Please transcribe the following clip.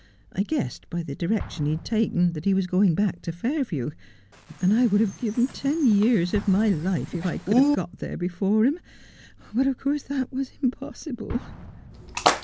I guessed by the direction he had taken that he was going back to Fair view, and I would have given ten years of my life if I could have got there before him ; but of course that was impossible.'